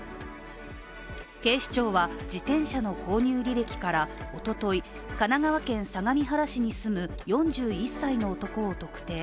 警視庁は自転車の購入履歴からおととい、神奈川県相模原市に住む４１歳の男を特定。